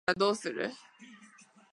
だとしたらどうする？